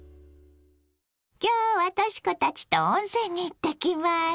今日はとし子たちと温泉に行ってきます。